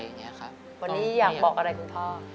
วันนี้อยากบอกอะไรคุณพ่อ